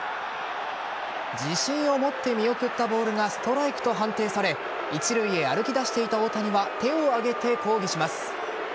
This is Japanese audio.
自信を持って見送ったボールがストライクと判定され一塁へ歩き出していた大谷は手を上げて抗議します。